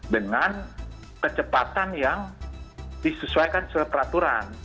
dengan kecepatan yang disesuaikan sesuai peraturan